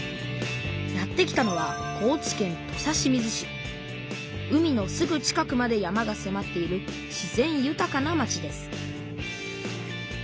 やって来たのは海のすぐ近くまで山がせまっている自然ゆたかな町です